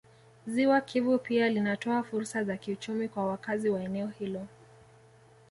Ziwa Kivu pia linatoa fursa za kiuchumi kwa wakazi wa eneo hilo